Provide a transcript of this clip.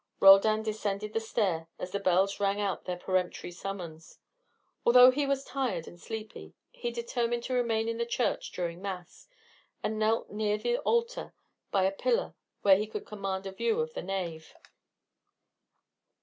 Roldan descended the stair as the bells rang out their peremptory summons. Although he was tired and sleepy, he determined to remain in the church during mass, and knelt near the altar by a pillar where he could command a view of the nave.